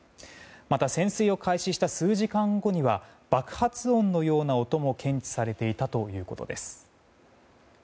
また、潜水を開始した数時間後には爆発音のような音も検知されていたということです。